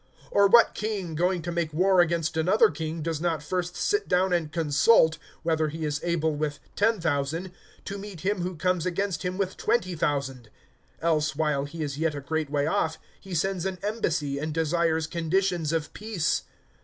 (31)Or what king, going to make war against another king, does not first sit down and consult, whether he is able, with ten thousand, to meet him who comes against him with twenty thousand? (32)Else, while he is yet a great way off, he sends an embassy, and desires conditions of peace.